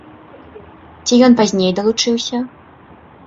Ці ён пазней далучыўся?